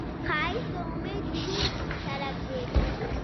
ښایست د امید روڼ څرک دی